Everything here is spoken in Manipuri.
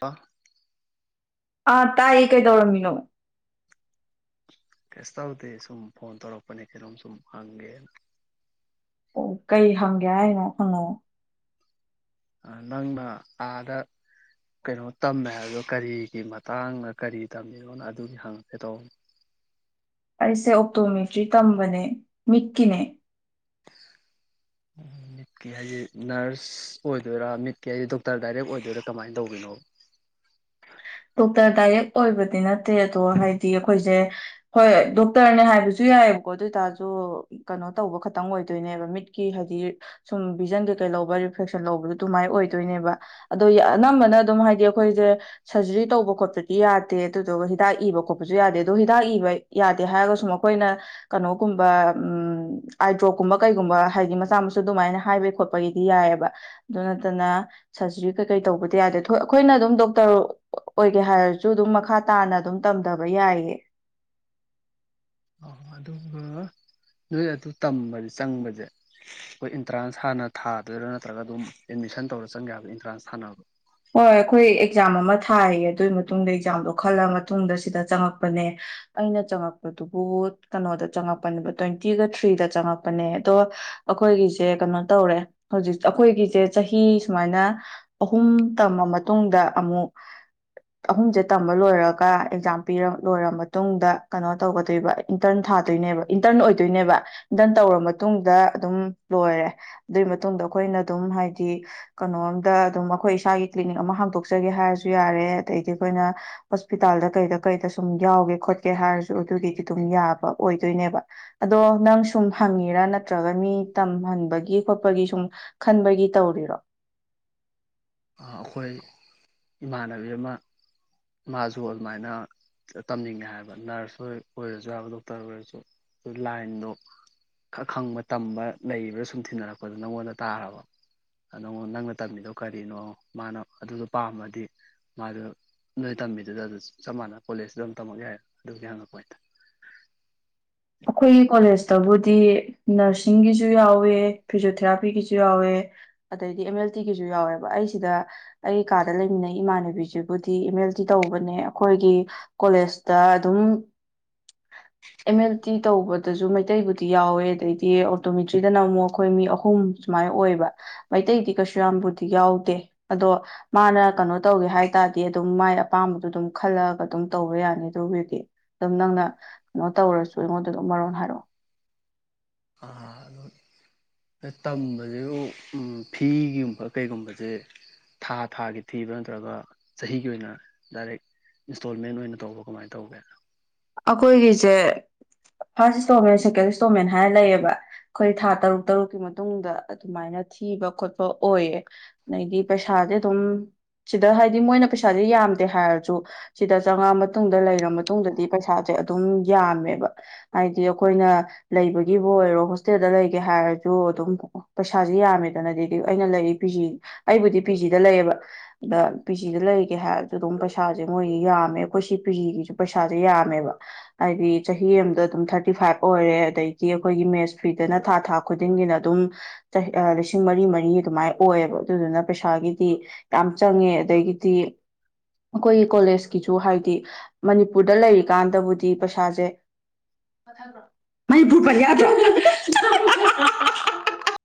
ꯇ ꯑꯥ ꯇꯥꯏꯌꯦ ꯀꯩꯗꯧꯔꯝꯃꯤꯅꯣ ꯀꯩꯁ ꯇꯧꯗꯦ ꯁꯨꯝ ꯐꯣꯟ ꯇꯧꯔꯛꯄꯅꯤ ꯀꯩꯅꯣꯝ ꯁꯨꯝ ꯍꯪꯒꯦꯅ ꯑꯣ ꯀꯩ ꯍꯪꯒꯦ ꯍꯥꯏꯅꯣ ꯍꯪꯉꯛꯑꯣ ꯅꯪꯅ ꯑꯥꯗ ꯀꯩꯅꯣ ꯇꯝꯃꯦ ꯍꯥꯏꯕꯗꯣ ꯀꯔꯤꯒꯤ ꯃꯇꯥꯡꯅ ꯀꯔꯤ ꯇꯝꯃꯤꯅꯣꯅ ꯑꯗꯨꯒꯤ ꯍꯪꯉꯛꯀꯦ ꯇꯧꯕꯅꯣ ꯑꯩꯁꯦ ꯑꯣꯛꯇꯣꯃꯦꯇ꯭ꯔꯤ ꯇꯝꯕꯅꯦ ꯃꯤꯠꯀꯤꯅꯦ ꯃꯤꯠꯀꯤ ꯍꯥꯏꯗꯤ ꯅꯔꯁ ꯑꯣꯏꯗꯣꯏꯔꯥ ꯃꯤꯠꯀꯤ ꯍꯥꯏꯗꯤ ꯗꯣꯛꯇꯔ ꯗꯥꯏꯔꯦꯛ ꯑꯣꯏꯗꯣꯏꯔꯥ ꯀꯃꯥꯏꯅ ꯇꯧꯕꯅꯣ ꯗꯣꯛꯇꯔ ꯗꯥꯏꯔꯦꯛ ꯑꯣꯏꯕꯗꯤ ꯅꯠꯇꯦ ꯑꯗꯣ ꯍꯥꯏꯗꯤ ꯑꯩꯈꯣꯏꯁꯦ ꯍꯣꯏ ꯗꯣꯛꯇꯔꯅꯦ ꯍꯥꯏꯕꯁꯨ ꯌꯥꯏꯑꯕꯀꯣ ꯑꯗꯨ ꯑꯣꯏꯇꯥꯔꯁꯨ ꯀꯩꯅꯣ ꯇꯧꯕ ꯈꯇꯪ ꯑꯣꯏꯗꯣꯏꯅꯦꯕ ꯃꯤꯠꯀꯤ ꯍꯥꯏꯗꯤ ꯁꯨꯝ ꯚꯤꯖꯟ ꯀꯩ ꯀꯩ ꯂꯧꯕ ꯔꯤꯐ꯭ꯂꯦꯛꯁꯟ ꯂꯧꯕꯗ ꯑꯗꯨꯃꯥꯏꯅ ꯑꯣꯏꯗꯣꯏꯅꯦꯕ ꯑꯗꯣ ꯑꯅꯝꯕꯅ ꯑꯗꯨꯝ ꯍꯥꯏꯗꯤ ꯑꯩꯈꯣꯏꯁꯦ ꯁꯔꯖꯔꯤ ꯇꯧꯕ ꯈꯣꯠꯄꯗꯤ ꯌꯥꯗꯦ ꯑꯗꯨꯗꯨꯒ ꯍꯤꯗꯥꯛ ꯏꯕ ꯈꯣꯠꯄꯁꯨ ꯌꯥꯗꯦ ꯑꯗꯣ ꯍꯤꯗꯥꯛ ꯏꯕ ꯌꯥꯗꯦ ꯍꯥꯏꯔꯒꯁꯨꯨ ꯃꯈꯣꯏꯅ ꯀꯩꯅꯣꯒꯨꯝꯕ ꯑꯥꯏꯗ꯭ꯔꯣꯞꯀꯨꯝꯕ ꯀꯩꯒꯨꯝꯕ ꯍꯥꯏꯗꯤ ꯃꯆꯥ ꯃꯁꯨ ꯑꯗꯨꯃꯥꯏꯅ ꯍꯥꯏꯕꯒꯤ ꯈꯣꯠꯄꯒꯤꯗꯤ ꯌꯥꯏꯑꯦꯕ ꯑꯗꯨ ꯅꯠꯇꯅ ꯁꯔꯖꯔꯤ ꯀꯩ ꯀꯩ ꯇꯧꯕꯗꯤ ꯌꯥꯗꯦ ꯑꯩꯈꯣꯏꯅ ꯑꯗꯨꯝ ꯗꯣꯛꯇꯔ ꯑꯣꯏꯒꯦ ꯍꯥꯏꯔꯁꯨ ꯑꯗꯨꯝ ꯃꯈꯥ ꯇꯥꯅ ꯑꯗꯨꯝ ꯇꯝꯗꯕ ꯌꯥꯏꯌꯦ ꯑ ꯑꯗꯨꯒ ꯅꯣꯏ ꯑꯗꯨ ꯇꯝꯕꯗꯤ ꯆꯪꯕꯁꯦ ꯑꯩꯈꯣꯏ ꯑꯦꯟꯇ꯭ꯔꯥꯟꯁ ꯍꯥꯟꯅ ꯊꯥꯗꯣꯏꯔꯥ ꯅꯠꯇ꯭ꯔꯒ ꯑꯗꯨꯝ ꯑꯦꯠꯃꯤꯁꯟ ꯇꯧꯔ ꯆꯪꯒꯦ ꯍꯥꯏꯕꯣ ꯑꯦꯟꯇ꯭ꯔꯥꯟꯁ ꯊꯥꯅꯕꯗꯣ ꯍꯣꯏ ꯑꯩꯈꯣꯏ ꯑꯦꯛꯖꯥꯝ ꯑꯃ ꯊꯥꯏꯌꯦ ꯑꯗꯨꯒꯤ ꯃꯇꯨꯡꯗ ꯑꯦꯛꯖꯥꯝꯗꯣ ꯈꯜꯂ ꯃꯇꯨꯡꯗ ꯁꯤꯗ ꯆꯪꯉꯛꯄꯅꯦ ꯑꯩꯅ ꯆꯪꯉꯛꯄꯗꯨꯕꯨ ꯀꯩꯅꯣꯗ ꯆꯪꯉꯛꯄꯅꯦꯕ ꯇ꯭ꯋꯦꯟꯇꯤꯒ ꯊ꯭ꯔꯤꯗ ꯆꯪꯉꯛꯄꯅꯦ ꯑꯗꯣ ꯑꯩꯈꯣꯏꯒꯤꯁꯦ ꯀꯩꯅꯣ ꯇꯧꯔꯦ ꯍꯧꯖꯤꯛ ꯑꯩꯈꯣꯏꯒꯤꯁꯦ ꯆꯍꯤ ꯁꯨꯃꯥꯏꯅ ꯑꯍꯨꯝ ꯇꯝꯃ ꯃꯇꯨꯡꯗ ꯑꯃꯨꯛ ꯑꯍꯨꯝꯁꯦ ꯇꯝꯕ ꯂꯣꯏꯔꯒ ꯑꯦꯛꯖꯥꯝ ꯄꯤꯔ ꯂꯣꯏꯔ ꯃꯇꯨꯡꯗ ꯀꯩꯅꯣ ꯇꯧꯒꯗꯣꯏꯕ ꯏꯟꯇꯔꯟ ꯊꯥꯗꯣꯏꯅꯦꯕ ꯏꯟꯇꯔꯟ ꯑꯣꯏꯗꯣꯏꯅꯦꯕ ꯏꯟꯇꯔꯟ ꯇꯧꯔ ꯃꯇꯨꯡꯗ ꯑꯗꯨꯝ ꯂꯣꯏꯔꯦ ꯑꯗꯨꯒꯤ ꯃꯇꯨꯡꯗ ꯑꯩꯈꯣꯏꯅ ꯑꯗꯨꯝ ꯍꯥꯏꯗꯤ ꯀꯩꯅꯣꯝꯗ ꯑꯗꯨꯝ ꯑꯩꯈꯣꯏ ꯏꯁꯥꯒꯤ ꯀ꯭ꯂꯤꯅꯤꯛ ꯑꯃ ꯍꯥꯡꯗꯣꯛꯆꯒꯦ ꯍꯥꯏꯔꯁꯨ ꯌꯥꯔꯦ ꯑꯗꯩꯗꯤ ꯑꯩꯈꯣꯏꯅ ꯍꯣꯁꯄꯤꯇꯥꯜꯗ ꯀꯩꯗ ꯀꯩꯗ ꯁꯨꯝ ꯌꯥꯎꯒꯦ ꯈꯣꯠꯀꯦ ꯍꯥꯏꯔꯁꯨ ꯑꯗꯨꯒꯤꯗꯤ ꯑꯗꯨꯝ ꯌꯥꯕ ꯑꯣꯏꯗꯣꯏꯅꯦꯕ ꯑꯗꯣ ꯅꯪ ꯁꯨꯝ ꯍꯪꯉꯤꯔꯥ ꯅꯠꯇ꯭ꯔꯒ ꯃꯤ ꯇꯝꯍꯟꯕꯒꯤ ꯈꯣꯠꯄꯒꯤ ꯁꯨꯝ ꯈꯟꯕꯒꯤ ꯇꯧꯔꯤꯔꯣ ꯑꯩꯈꯣꯏ ꯏꯃꯥꯟꯅꯕꯤ ꯑꯃ ꯃꯥꯁꯨ ꯑꯗꯨꯃꯥꯏꯅ ꯇꯝꯅꯤꯡꯉꯦ ꯍꯥꯏꯕ ꯅꯔꯁ ꯑꯣꯏꯔꯁꯨ ꯍꯥꯏꯕ ꯗꯣꯛꯇꯔ ꯑꯣꯏꯔꯁꯨ ꯑꯗꯨ ꯂꯥꯏꯟꯗꯣ ꯈꯪꯕ ꯇꯝꯕ ꯂꯩꯕ꯭ꯔꯥ ꯁꯨꯝ ꯊꯤꯅꯔꯛꯄꯗ ꯅꯪꯉꯣꯟꯗ ꯇꯥꯔꯕ ꯅꯪꯉꯣꯟ ꯅꯪꯅ ꯇꯝꯃꯤꯗꯣ ꯀꯔꯤ ꯀꯔꯤꯅꯣ ꯃꯥꯅ ꯑꯗꯨꯗꯣ ꯄꯥꯝꯃꯗꯤ ꯃꯥꯗ ꯅꯣꯏ ꯇꯝꯕꯤꯗꯨꯗ ꯑꯗꯨ ꯆꯞ ꯃꯥꯟꯅ ꯀꯣꯂꯦꯖꯇ ꯑꯗꯨꯝ ꯇꯝꯃꯛ ꯌꯥꯏ ꯑꯗꯨꯒꯤ ꯍꯪꯉꯛꯄ ꯍꯥꯏꯇꯥ ꯑꯩꯈꯣꯏꯒꯤ ꯀꯣꯂꯦꯖꯇꯕꯨꯗꯤ ꯅꯔꯁꯤꯡꯒꯤꯁꯨ ꯌꯥꯎꯋꯦ ꯐꯤꯖꯣꯊꯦꯔꯥꯄꯤꯒꯤꯁꯨ ꯌꯥꯎꯋꯦ ꯑꯗꯩꯗꯤ ꯑꯦꯝ ꯑꯦꯜ ꯇꯤꯒꯤꯁꯨ ꯌꯥꯎꯋꯦꯕ ꯑꯩꯁꯤꯗ ꯑꯩꯒꯤ ꯀꯥꯗ ꯂꯩꯃꯤꯟꯅꯩ ꯏꯃꯥꯟꯅꯕꯤꯁꯤꯕꯨꯗꯤ ꯑꯦꯝ ꯑꯦꯜ ꯇꯤ ꯇꯧꯕꯅꯦ ꯑꯩꯈꯣꯏꯒꯤ ꯀꯣꯂꯦꯖꯇ ꯑꯗꯨꯝ ꯑꯦꯝ ꯑꯦꯜ ꯇꯇꯤ ꯇꯧꯕꯗꯁꯨ ꯃꯩꯇꯩꯕꯨꯗꯤ ꯌꯥꯎꯋꯦ ꯑꯗꯩꯗꯤ ꯑꯣꯇꯣꯃꯦꯇ꯭ꯔꯤꯗꯅ ꯑꯃꯨꯛ ꯑꯩꯈꯣꯏ ꯃꯤ ꯑꯍꯨꯝ ꯁꯨꯃꯥꯏꯅ ꯑꯣꯏꯕ ꯃꯩꯇꯩꯗꯤ ꯀꯩꯁꯨ ꯌꯥꯝꯕꯨꯗꯤ ꯌꯥꯎꯗꯦ ꯑꯗꯣ ꯃꯥꯅ ꯀꯩꯅꯣ ꯇꯧꯒꯦ ꯍꯥꯏ ꯇꯥꯔꯗꯤ ꯑꯗꯨꯝ ꯃꯥꯏ ꯑꯄꯥꯝꯕꯗꯣ ꯑꯗꯨꯝ ꯈꯜꯂꯛꯑꯒ ꯑꯗꯨꯝ ꯇꯧꯕ ꯌꯥꯅꯤ ꯑꯗꯨꯒꯤꯗꯤ ꯑꯗꯨꯝ ꯅꯪꯅ ꯀꯩꯅꯣ ꯇꯧꯔꯁꯨ ꯑꯩꯉꯣꯟꯗ ꯑꯗꯨꯝ ꯃꯔꯣꯜ ꯍꯥꯏꯔꯛꯑꯣ ꯑ ꯇꯝꯕꯁꯦ ꯐꯤꯒꯨꯝꯕ ꯀꯩꯒꯨꯝꯕꯁꯦ ꯊꯥ ꯊꯥꯒꯤ ꯊꯤꯕ ꯅꯠꯇ꯭ꯔꯒ ꯆꯍꯤꯒꯤ ꯑꯣꯏꯅ ꯗꯥꯏꯔꯦꯛ ꯏꯟꯁꯇꯣꯜꯃꯦꯟ ꯑꯣꯏꯅ ꯇꯧꯕ ꯀꯃꯥꯏꯅ ꯇꯧꯒꯦ ꯑꯩꯈꯣꯏꯒꯤꯁꯦ ꯐꯥꯔꯁ ꯏꯟꯁꯇꯣꯜꯃꯦꯟ ꯁꯦꯀꯦꯟ ꯏꯟꯁꯇꯣꯜꯃꯦꯟ ꯍꯥꯏꯅ ꯂꯩꯌꯦꯕ ꯑꯩꯈꯣꯏ ꯊꯥ ꯇꯔꯨꯛ ꯇꯔꯨꯛꯀꯤ ꯃꯇꯨꯡꯗ ꯑꯗꯨꯃꯥꯏꯅ ꯊꯤꯕ ꯈꯣꯠꯄ ꯑꯣꯏꯌꯦ ꯑꯗꯩꯗꯤ ꯄꯩꯁꯥꯖꯦ ꯑꯗꯨꯝ ꯁꯤꯗ ꯍꯥꯏꯗꯤ ꯃꯣꯏꯅ ꯄꯩꯁꯥꯁꯦ ꯌꯥꯝꯗꯦ ꯍꯥꯏꯔꯖꯨ ꯁꯤꯗ ꯆꯥꯉꯛꯑ ꯃꯇꯨꯡꯗ ꯂꯩꯔ ꯃꯇꯨꯡꯗꯗꯤ ꯄꯩꯁꯥꯁꯦ ꯑꯗꯨꯝ ꯌꯥꯝꯃꯦꯕ ꯍꯥꯏꯗꯤ ꯑꯩꯈꯣꯏꯅ ꯂꯩꯕꯒꯤꯕꯨ ꯑꯣꯏꯔꯣ ꯍꯣꯁꯇꯦꯜꯗ ꯂꯩꯒꯦ ꯍꯥꯏꯔꯖꯨ ꯑꯗꯨꯝ ꯄꯩꯁꯥꯁꯦ ꯌꯥꯝꯃꯦꯗꯅꯗꯤ ꯑꯩꯅ ꯂꯩꯔꯤ ꯄꯤꯖꯤ ꯑꯩꯕꯨꯗꯤ ꯄꯤꯖꯤꯗ ꯂꯩꯌꯦꯕ ꯑꯗ ꯄꯤꯖꯤꯗ ꯂꯩꯒꯦ ꯍꯥꯏꯔꯁꯨ ꯑꯗꯨꯝ ꯄꯩꯁꯥꯁꯦ ꯃꯣꯏ ꯌꯥꯝꯃꯦ ꯑꯩꯈꯣꯏ ꯁꯤ ꯄꯤꯖꯤꯒꯤꯁꯨ ꯄꯩꯁ ꯌꯥꯝꯃꯦꯕ ꯍꯥꯏꯗꯤ ꯆꯍꯤ ꯑꯃꯗ ꯑꯗꯨꯝ ꯊꯥꯔꯇꯤ ꯐꯥꯏꯚ ꯑꯣꯏꯔꯦ ꯑꯗꯩꯗꯤ ꯑꯩꯈꯣꯏꯒꯤ ꯃꯦꯠꯁ ꯐꯤꯗꯅ ꯊꯥ ꯊꯥ ꯈꯨꯗꯤꯡꯒꯤꯅ ꯑꯗꯨꯝ ꯂꯤꯁꯤꯡ ꯃꯔꯤ ꯃꯔꯤ ꯑꯗꯨꯃꯥꯏ ꯑꯣꯏꯌꯦꯕ ꯑꯗꯨꯗꯨꯅ ꯄꯩꯁꯥꯒꯤꯗꯤ ꯌꯥꯝ ꯆꯪꯉꯦ ꯑꯗꯒꯤꯗꯤ ꯑꯩꯈꯣꯏꯒꯤ ꯀꯣꯂꯦꯖꯀꯤꯁꯨ ꯍꯥꯏꯗꯤ ꯃꯅꯤꯄꯨꯔꯗ ꯂꯩꯔꯤꯀꯥꯟꯗꯕꯨꯗꯤ ꯄꯩꯁꯥꯁꯦ ꯃꯅꯤꯄꯨꯔ ꯄꯟ ꯌꯥꯗꯔꯣ